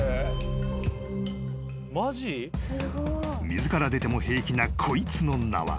［水から出ても平気なこいつの名は］